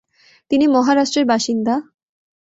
তিনি মহারাষ্ট্রের বাসিন্দা।